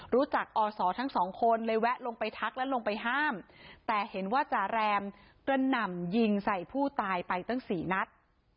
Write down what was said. รู้จักอศทั้งสองคนเลยแวะลงไปทักและลงไปห้ามแต่เห็นว่าจาแรมกระหน่ำยิงใส่ผู้ตายไปตั้งสี่นัด